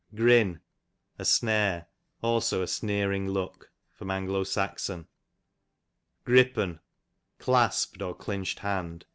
Grin, a snare ; also a sneering look. A.S. Gripp'n, clasped or clinched hand.